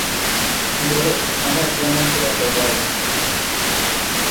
বলে, আমার যেমন পোড়া কপাল!